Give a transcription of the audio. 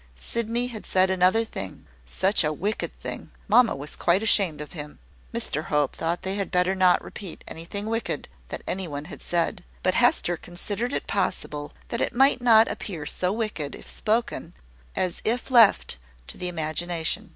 Sydney had said another thing, such a wicked thing! Mamma was quite ashamed of him. Mr Hope thought they had better not repeat anything wicked that any one had said: but Hester considered it possible that it might not appear so wicked if spoken as if left to the imagination.